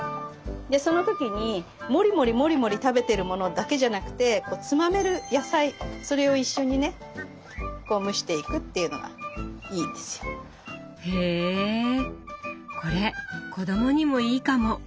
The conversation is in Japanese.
でその時にもりもりもりもり食べてるものだけじゃなくてこうつまめる野菜それを一緒にねこう蒸していくっていうのがいいんですよ。へこれ子供にもいいかも。